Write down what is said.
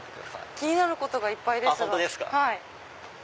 気になることがいっぱいです。